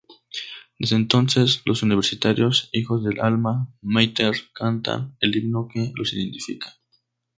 Desde entonces, los universitarios, hijos del Alma Máter, cantan el himno que los identifica.